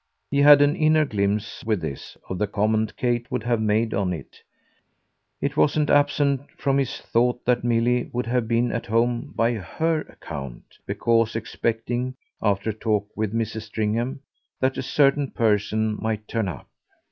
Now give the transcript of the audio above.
He had an inner glimpse, with this, of the comment Kate would have made on it; it wasn't absent from his thought that Milly would have been at home by HER account because expecting, after a talk with Mrs. Stringham, that a certain person might turn up.